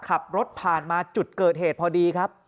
ขับรถผ่านมาจุดเกิดเหตุพอดีครับ